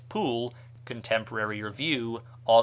Poole, Contemporary Rev., Aug.